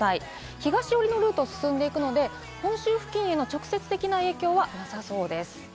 東寄りのルートを進んでいくので、本州付近への直接的な影響はなさそうです。